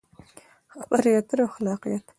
خبرې اترې او خلاقیت: